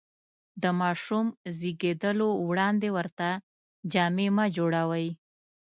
د ماشوم زېږېدلو وړاندې ورته جامې مه جوړوئ.